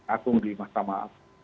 akung di mahkamah